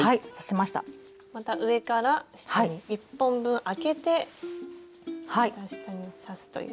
また上から下に１本分あけてまた下に刺すという。